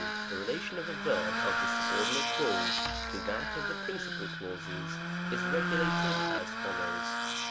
The relation of the verb of the subordinate clause to that of the principal clauses, is regulated as follows : 3.